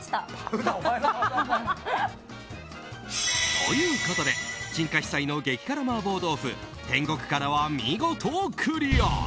ということで、陳家私菜の激辛麻婆豆腐・天獄辛は見事クリア！